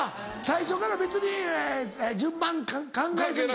最初から別に順番考えずに。